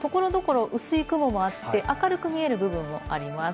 所々薄い雲もあって、明るく見える部分もあります。